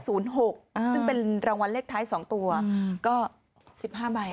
ซึ่งเป็นรางวัลเลขท้าย๒ตัวก็๑๕ใบ